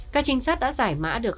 các trinh sát đã giải mã được